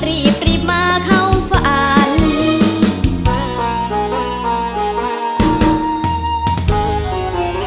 รีบมาเข้าฝัน